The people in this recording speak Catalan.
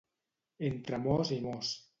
Entre mos i mos.